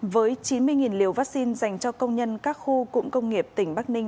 với chín mươi liều vaccine dành cho công nhân các khu cụm công nghiệp tỉnh bắc ninh